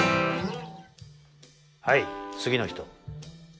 はい次の人。